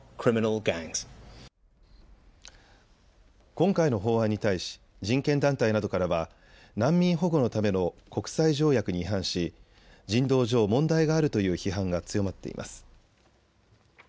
今回の法案に対し人権団体などからは難民保護のための国際条約に違反し人道上、問題があるという批判が強まっています。